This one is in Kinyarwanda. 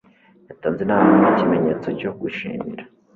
Yatanze inama nkikimenyetso cyo gushimira.